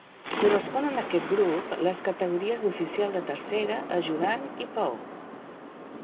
Corresponen a aquest grup les categories d'oficial de tercera, ajudant i peó.